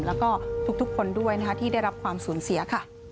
แล้วก็ทุกคนด้วยที่ได้รับความสูญเสียค่ะ